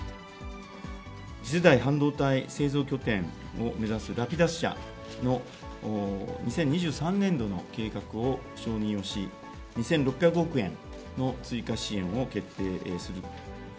次世代半導体製造拠点を目指すラピダス社の２０２３年度の計画を承認をし、２６００億円の追加支援を決定する。